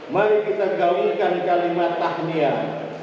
mari kita gaulkan kalimat tahniah